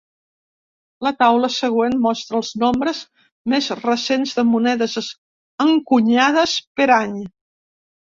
La taula següent mostra els nombres més recents de monedes encunyades per any.